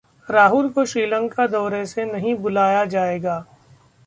राहुल को श्रीलंका दौरे से नहीं बुलाया जाएगा